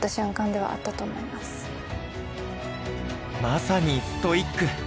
まさにストイック。